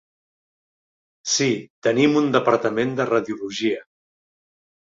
Sí, tenim un departament de radiologia.